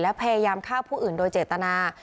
และพยายามฆ่าผู้อื่นโดยเจตนา